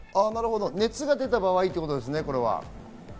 熱が出た場合ということですね。